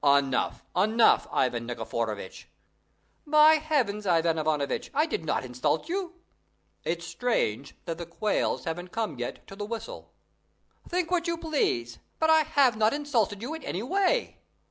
"Enough, enough, Ivan Nikiforovitch!" "By Heavens, Ivan Ivanovitch, I did not insult you!" "It's strange that the quails haven't come yet to the whistle." "Think what you please, but I have not insulted you in any way."